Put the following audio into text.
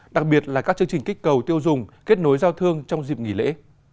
đặc biệt là các chương trình kích cầu tiêu dùng kết nối giao thương trong dịp nghỉ lễ